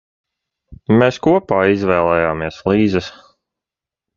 Mēs kopā izvēlējāmies flīzes.